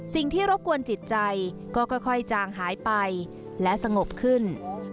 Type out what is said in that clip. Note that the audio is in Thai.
รบกวนจิตใจก็ค่อยจางหายไปและสงบขึ้น